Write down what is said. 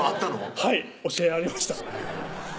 はい教えありました